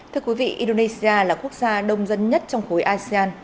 thưa quý vị indonesia là quốc gia đông dân nhất trong khối asean